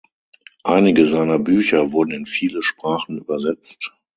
Einige seiner Bücher wurden in viele Sprachen übersetzt.